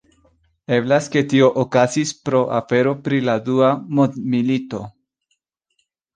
Eblas ke tio okazis pro afero pri la Dua Mondmilito.